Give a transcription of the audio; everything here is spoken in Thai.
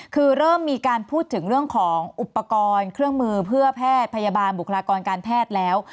คือเริ่มมีการพูดถึงเรื่องของอุปกรณ์เครื่องมือเพื่อแพทย์พยาบาลบุคลากรการแพทย์แล้ว